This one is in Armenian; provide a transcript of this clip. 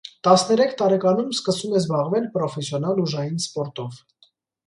Տասներեք տարեկանում սկսում է զբաղվել պրոֆեսիոնալ ուժային սպորտով։